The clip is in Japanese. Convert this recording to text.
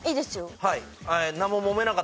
はい。